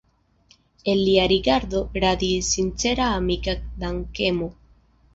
El lia rigardo radiis sincera amika dankemo.